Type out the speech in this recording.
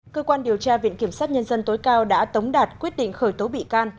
cơ quan điều tra viện kiểm sát nhân dân tối cao đã tống đạt quyết định khởi tố bị can